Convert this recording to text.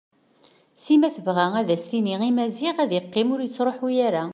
Sima tebɣa ad as-tini i Maziɣ ad yeqqim ur yettruḥ ara.